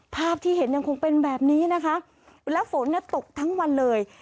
ภาพที่เห็นยังคงเป็นแบบนี้นะคะแล้วฝนเนี่ยตกทั้งวันเลย